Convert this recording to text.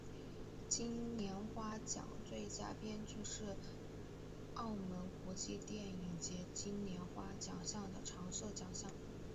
金莲花奖最佳编剧是澳门国际电影节金莲花奖的常设奖项。